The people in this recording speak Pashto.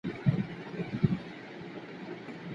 د هلکانو لیلیه په ناڅاپي ډول نه انتقالیږي.